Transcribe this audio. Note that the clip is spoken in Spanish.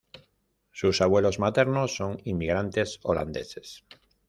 Sus abuelos maternos son inmigrantes holandeses.